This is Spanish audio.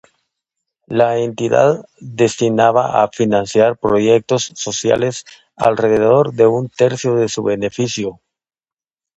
La entidad destinaba a financiar proyectos sociales alrededor de un tercio de su beneficio.